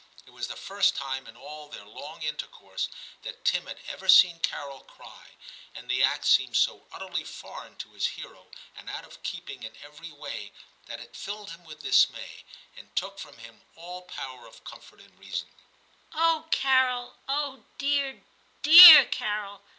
It was the first time in all their long intercourse that Tim had ever seen Carol cry, and the act seemed so utterly foreign to his hero, and out of keeping in every way, that it filled him with dismay, and took from him all power of comfort or reasoning. 'Oh, Carol! oh, dear dear Carol!